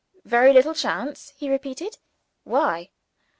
"Very little chance!" he repeated. "Why?"